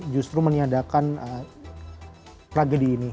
justru menyadarkan tragedi ini